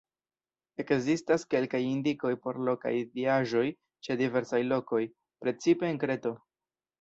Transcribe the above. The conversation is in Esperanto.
Ekzistas kelkaj indikoj por lokaj diaĵoj ĉe diversaj lokoj, precipe en Kreto.